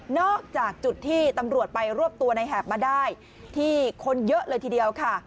จากจุดที่ตำรวจไปรวบตัวในแหบมาได้ที่คนเยอะเลยทีเดียวค่ะ